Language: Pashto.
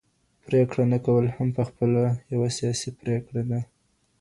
پريکړه نه کول هم په خپله يوه سياسي پريکړه ده.